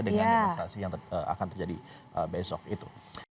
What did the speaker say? dengan demonstrasi yang akan terjadi besok itu